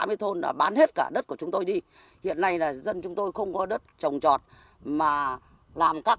mấy thôn đã bán hết cả đất của chúng tôi đi hiện nay là dân chúng tôi không có đất trồng trọt mà làm các